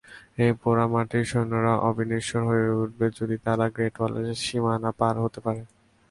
এই পোড়ামাটির সৈন্যরা অবিনশ্বর হয়ে উঠবে যদি তারা গ্রেট ওয়ালের সীমানা পার হতে পারে।